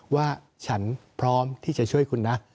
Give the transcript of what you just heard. ว่าฉันพร้อมที่จะช่วยคุณนะ